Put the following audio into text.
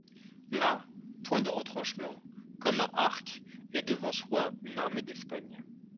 Là, point de retranchements, comme à Arques, et devant soi une armée d'Espagne.